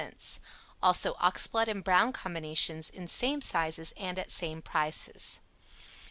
Also Oxblood and Brown Combinations in same sizes and at same prices.